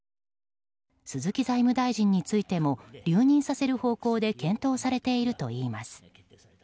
鈴木財務大臣についても留任させる方向で検討されているといいます。